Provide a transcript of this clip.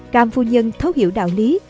càm phu nhân thấu hiểu đạo lý